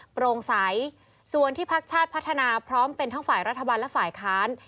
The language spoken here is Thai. โปร่งใสส่วนที่พักชาติพัฒนาพร้อมเป็นทั้งฝ่ายรัฐบาลและฝ่ายค้าน